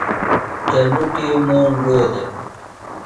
چلٹُی موݨ گودےۡ؟